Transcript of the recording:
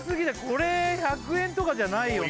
これ１００円とかじゃないよな